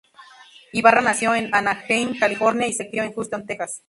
Ibarra nació en Anaheim, California, y se crio en Houston, Texas.